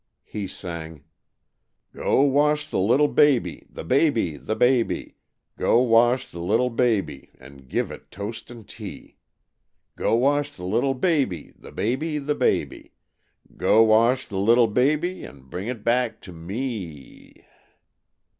He sang: Go wash the little baby, the baby, the baby; Go wash the little baby, and give it toast and tea; Go wash the little baby, the baby, the baby, Go wash the little baby, and bring it back to me.